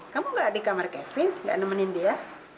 kamu nggak di kamar kevin nggak nemenin dia